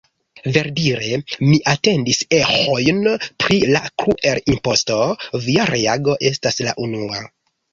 Verdire, mi atendis eĥojn pri la "kruel-imposto", via reago estas la unua.